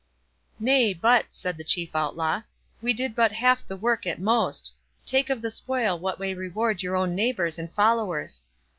"Nay, but," said the chief Outlaw, "we did but half the work at most—take of the spoil what may reward your own neighbours and followers."